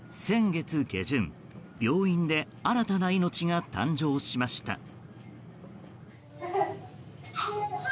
先月下旬病院で新たな命が誕生しました。